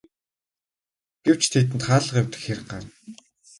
Гэвч тэдэнд хаалга эвдэх хэрэг гарна.